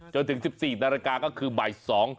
จนถึง๑๔นาฬิกาก็คือบ่าย๒